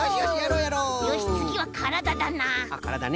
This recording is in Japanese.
よしつぎはからだだな。